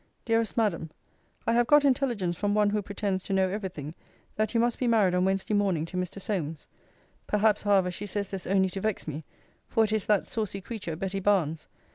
DEAREST MADAM, I have got intelligence from one who pretends to know every thing, that you must be married on Wednesday morning to Mr. Solmes. Perhaps, however, she says this only to vex me; for it is that saucy creature Betty Barnes.